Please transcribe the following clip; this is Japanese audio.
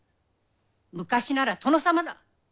昔なら殿様だ。